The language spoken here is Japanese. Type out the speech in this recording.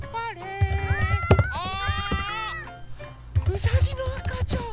うさぎのあかちゃん！